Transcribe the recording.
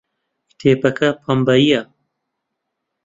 کتێبەکە پەمەیییە.